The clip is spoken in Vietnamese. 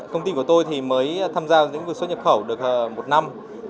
công ty của tôi thì mới tham gia vượt xuất nhập khẩu được một năm